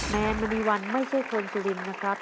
นายมณีวันไม่ใช่คนสุรินทร์นะครับ